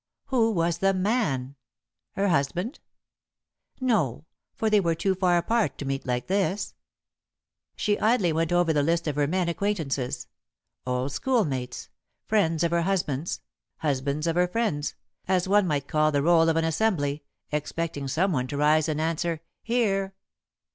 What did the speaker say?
Who was the man? Her husband? No, for they were too far apart to meet like this. She idly went over the list of her men acquaintances old schoolmates, friends of her husband's, husbands of her friends, as one might call the roll of an assembly, expecting someone to rise and answer "Here."